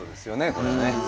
これはね。